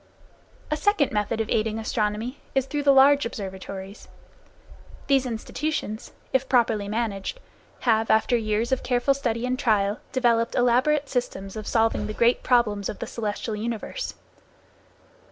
A second method of aiding astronomy is through the large observatories. These institutions, if properly managed, have after years of careful study and trial developed elaborate systems of solving the great problems of the celestial universe.